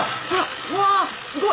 うわすごい。